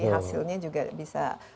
jadi hasilnya juga bisa